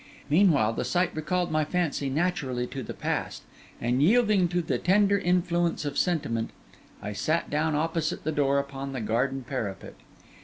Meanwhile the sight recalled my fancy naturally to the past; and yielding to the tender influence of sentiment, I sat down opposite the door upon the garden parapet.